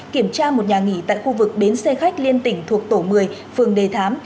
kiểm tra một nhà nghỉ tại khu vực bến xe khách liên tỉnh thuộc tổ một mươi phường đề thám